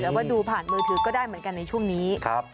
แล้วก็ดูผ่านมือถือก็ได้เหมือนกันในช่วงนี้